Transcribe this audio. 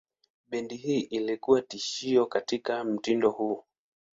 Bendi hii ilikuwa tishio katika mtindo huo.